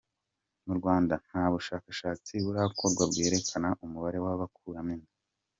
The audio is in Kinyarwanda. Mu Rwanda, nta bushakshatsi burakorwa bwerekana umubare w’abakuramo inda.